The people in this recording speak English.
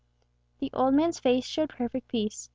The old man's face showed perfect peace.